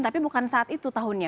tapi bukan saat itu tahunnya